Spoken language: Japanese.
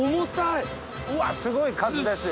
うわすごい数ですよ。